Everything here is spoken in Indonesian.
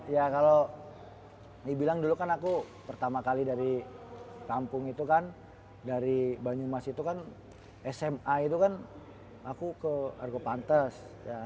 ya kalau dibilang dulu kan aku pertama kali dari kampung itu kan dari banyumas itu kan sma itu kan aku ke arkopantes